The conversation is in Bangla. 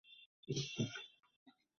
এই কেক চুলায়ও তৈরি করা যায়।